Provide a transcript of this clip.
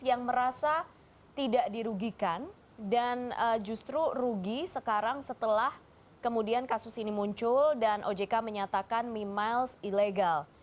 yang merasa tidak dirugikan dan justru rugi sekarang setelah kemudian kasus ini muncul dan ojk menyatakan mimiles ilegal